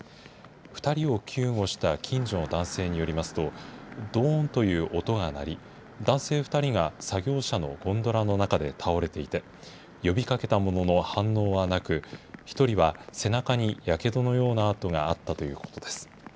２人を救護した近所の男性によりますと、どーんという音が鳴り、男性２人が作業車のゴンドラの中で倒れていて、呼びかけたものの反応はなく、１人は背中にやけどのような痕があったということです。